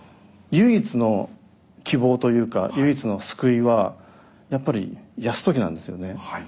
唯一の希望というか唯一の救いはやっぱり泰時なんですよね。